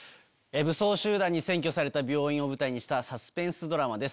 武装集団に占拠された病院を舞台にしたサスペンスドラマです。